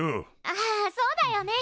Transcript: あそうだよね。